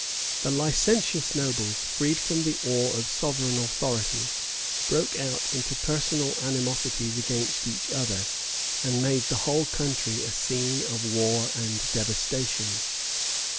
The licentious nobles, freed from the awe of sovereign authority, broke out into personal animosities against each other, and made the whole country a scene of war and devastation.